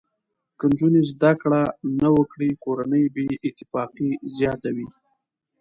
که نجونې زده کړه نه وکړي، کورنۍ بې اتفاقي زیاته وي.